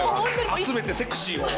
集めてセクシーを。